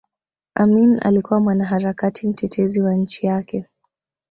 Amin alikuwa mwanaharakati mtetezi wa nchi yake